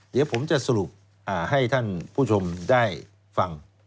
เดี๋ยวผมจะสรุปให้ท่านผู้ชมได้ฟัง